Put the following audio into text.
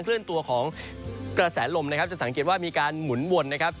เลื่อนตัวของกระแสลมนะครับจะสังเกตว่ามีการหมุนวนนะครับ